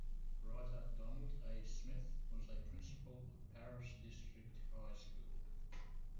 Writer Donald A. Smith was a principal of Paris District High School.